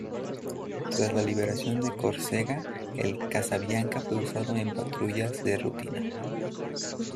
Tras la liberación de Córcega, el "Casabianca" fue usado en patrullas de rutina.